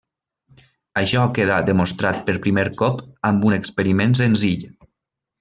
Això quedà demostrat per primer cop amb un experiment senzill.